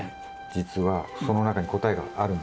じつはその中に答えがあるんですけど。